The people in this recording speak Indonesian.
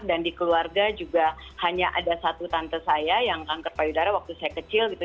dan di keluarga juga hanya ada satu tante saya yang kanker payudara waktu saya kecil gitu